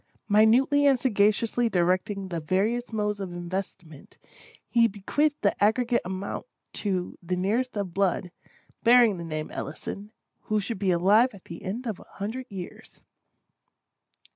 Minutely and sagaciously directing the various modes of investment, he bequeathed the aggregate amount to the nearest of blood, bearing the name Ellison, who should be alive at the end of the hundred years.